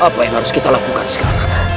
apa yang harus kita lakukan sekarang